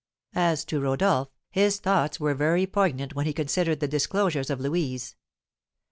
As to Rodolph, his thoughts were very poignant when he considered the disclosures of Louise.